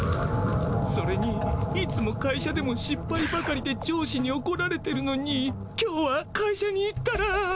それにいつも会社でもしっぱいばかりで上司におこられてるのに今日は会社に行ったら。